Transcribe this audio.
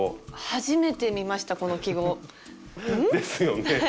初めて見ましたこの記号。ですよね。